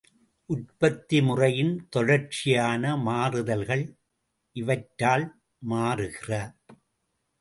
உற்பத்தி முறையின் தொடர்ச்சியான மாறுதல்கள், இவற்றால் மாறுகிற?